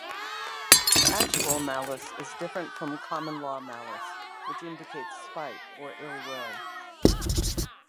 Actual malice is different from common law malice which indicates spite or ill-will.